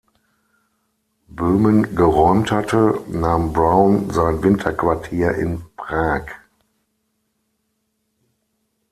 Böhmen geräumt hatte, nahm Browne sein Winterquartier in Prag.